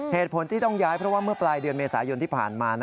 เหตุผลที่ต้องย้ายเพราะว่าเมื่อปลายเดือนเมษายนที่ผ่านมา